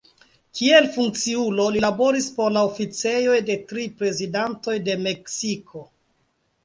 Kiel funkciulo li laboris por la oficejoj de tri Prezidantoj de Meksiko.